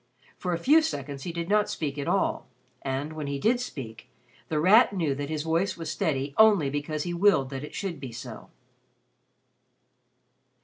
For a few seconds he did not speak at all, and, when he did speak, The Rat knew that his voice was steady only because he willed that it should be so.